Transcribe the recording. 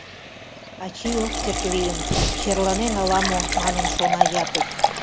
«Ачий ок керт лийын, черланен ала-мо», — манын шона Япык.